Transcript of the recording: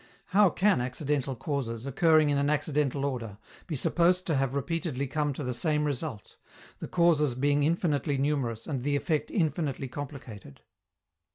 How can accidental causes, occurring in an accidental order, be supposed to have repeatedly come to the same result, the causes being infinitely numerous and the effect infinitely complicated?